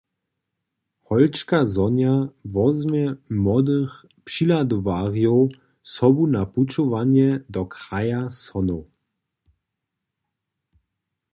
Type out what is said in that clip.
Holčka Sonja wozmje młodych přihladowarjow sobu na pućowanje do kraja sonow.